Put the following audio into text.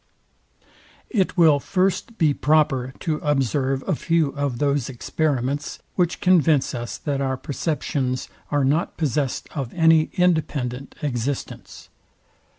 It will first be proper to observe a few of those experiments, which convince us, that our perceptions are not possest of any independent existence.